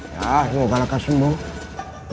ya mengapa semua